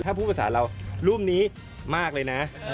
ถ้าพูดภาษาเรารูปนี้มากเลยนะ